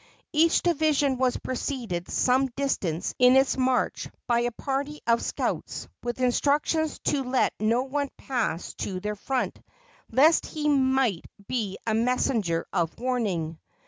Each division was preceded some distance in its march by a party of scouts, with instructions to let no one pass to their front, lest he might be a messenger of warning.